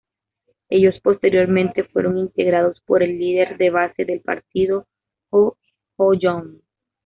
Ellos posteriormente fueron integrados por el líder de base del partido, Joo Ho-young.